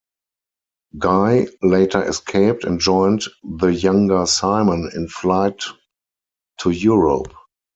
Guy later escaped and joined the younger Simon in flight to Europe.